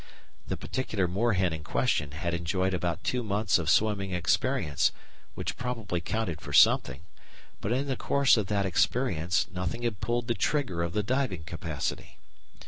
The particular moorhen in question had enjoyed about two months of swimming experience, which probably counted for something, but in the course of that experience nothing had pulled the trigger of the diving capacity.